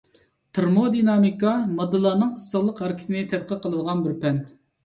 تېرمودىنامىكا — ماددىلارنىڭ ئىسسىقلىق ھەرىكىتىنى تەتقىق قىلىدىغان بىر پەن.